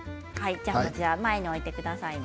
前に置いてくださいね。